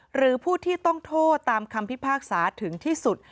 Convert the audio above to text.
หรือผู้ที่ต้องโทษตามคำพิพากษาถึงที่สุด